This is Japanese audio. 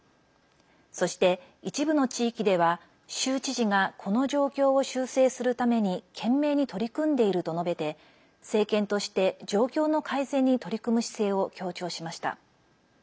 そして、一部の地域では州知事がこの状況を修正するために懸命に取り組んでいると述べて政権として状況の改善に取り組む姿勢を強調しました。